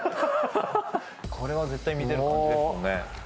これは絶対見てる漢字ですもんね